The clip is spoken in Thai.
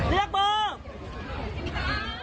เลือกเบอร์